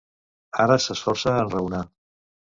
Ara s'esforça a enraonar.